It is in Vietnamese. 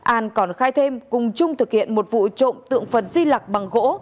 an còn khai thêm cùng chung thực hiện một vụ trộm tượng phần di lạc bằng gỗ